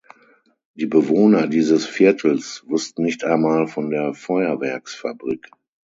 Die Bewohner dieses Viertels wussten nicht einmal von der Feuerwerksfabrik.